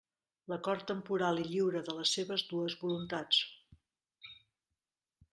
L'acord temporal i lliure de les seves dues voluntats.